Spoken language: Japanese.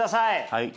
はい。